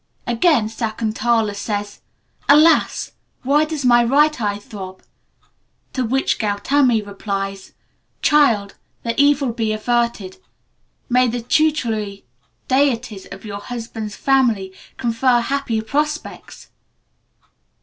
Again, Sakuntala says: "Alas! why does my right eye throb?" to which Gautami replies: "Child, the evil be averted. May the tutelary deities of your husband's family confer happy prospects!"